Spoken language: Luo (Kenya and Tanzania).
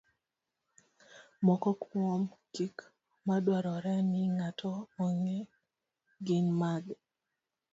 Moko kuom gik madwarore ni ng'ato ong'e gin mage?